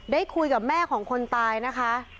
ได้คุยกับแม่ของคนตายนะคะ